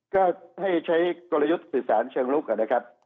ก็ให้ใช้กลยุทธศิษย์แสนเชียงรุกก่อนนะครับ